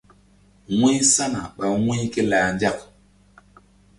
Wu̧y sana ɓa wu̧y ké lah nzak.